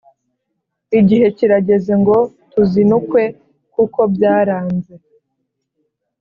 Igihe kirageze ngo tuzinukwe kuko byaranze